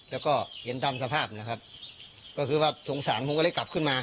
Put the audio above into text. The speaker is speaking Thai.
แล้วก็เห็นตามสภาพนะครับก็คือว่าสงสารผมก็เลยกลับขึ้นมา